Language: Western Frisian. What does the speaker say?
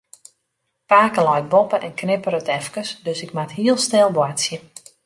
Pake leit boppe en knipperet efkes, dus ik moat hiel stil boartsje.